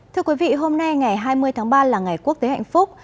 thưa quý vị hôm nay ngày hai mươi tháng ba là ngày quốc tế hạnh phúc